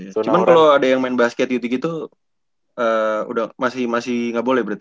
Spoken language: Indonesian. cuman kalau ada yang main basket utg tuh masih enggak boleh berarti